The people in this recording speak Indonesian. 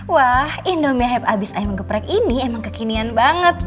wah indomehep abis ayam geprek ini emang kekinian banget